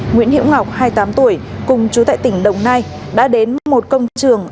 nguyễn hiễu ngọc hai mươi tám tuổi cùng chú tại tỉnh đồng nai đã đến một công trường